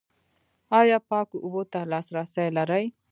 ایا پاکو اوبو ته لاسرسی لرئ؟